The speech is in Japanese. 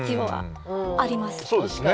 そうですね。